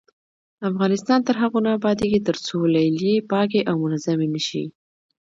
افغانستان تر هغو نه ابادیږي، ترڅو لیلیې پاکې او منظمې نشي.